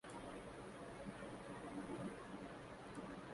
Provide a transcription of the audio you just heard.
اس case سے انہوں نے تو ڈرنا ہی ہے۔